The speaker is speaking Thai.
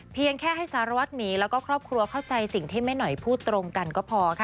เพียงแค่ให้สารวัตรหมีแล้วก็ครอบครัวเข้าใจสิ่งที่แม่หน่อยพูดตรงกันก็พอค่ะ